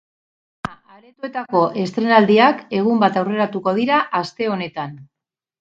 Zinema-aretoetako esetreinaldiak egun bat aurreratuko dira aste honetan.